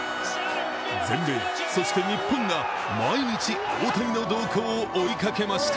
全米、そして日本が毎日大谷の動向を追いかけました。